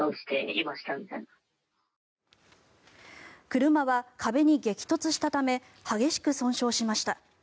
車は壁に激突したため激しく損傷しました。